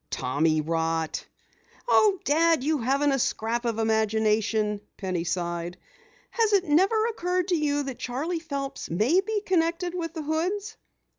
"Tommyrot!" "Oh, Dad, you haven't a scrap of imagination," Penny sighed. "Has it never occurred to you that Charley Phelps may be connected with the Hoods?"